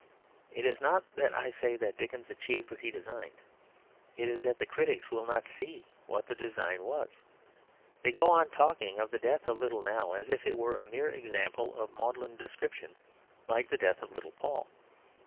It is not that I say that Dickens achieved what he designed; it is that the critics will not see what the design was. They go on talking of the death of Little Nell as if it were a mere example of maudlin description like the death of Little Paul.